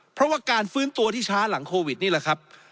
เพราะว่าการฟื้นตัวที่ช้าหลังโควิดนี่แหละครับ